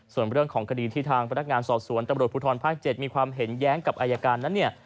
ส่วนเรื่องของคดีที่ทางพนักงานสอบสวนตำรวจภูทรภาค๗มีความเห็นแย้งกับอายการนั้นเนี่ย